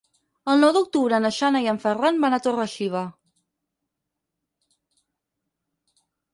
El nou d'octubre na Jana i en Ferran van a Torre-xiva.